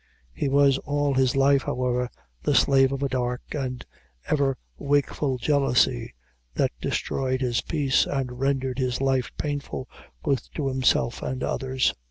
He was all his life, however, the slave of a dark and ever wakeful jealousy, that destroyed his peace, and rendered his life painful both to himself and others.